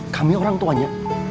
kami orang tuanya